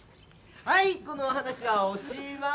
はいこの話はおしまい！